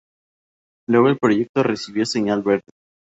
Luego el proyecto recibió señal verde.